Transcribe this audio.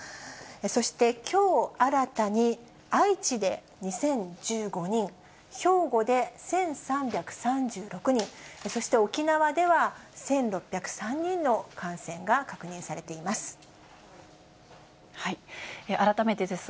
そして、きょう新たに、愛知で２０１５人、兵庫で１３３６人、そして、沖縄では１６０３人の感染が確認されています。